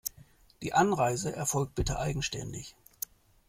Die Anreise erfolgt bitte eigenständig.